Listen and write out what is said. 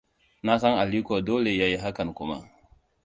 Nasan Aliko dole yayi hakan kuma.